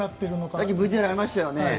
さっきＶＴＲにありましたよね。